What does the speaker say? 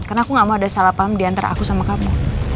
karena aku gak mau ada salah paham diantara aku sama kamu